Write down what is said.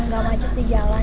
tidak macet di jalan